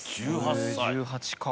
１８か。